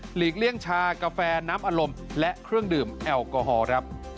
ลีกเลี่ยงชากาแฟน้ำอารมณ์และเครื่องดื่มแอลกอฮอล์ครับ